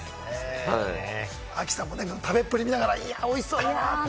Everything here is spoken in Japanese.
亜希さんも食べっぷり見ながら、おいしそうだなって。